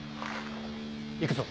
行くぞ！